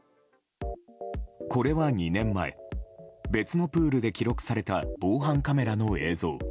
これは２年前別のプールで記録された防犯カメラの映像。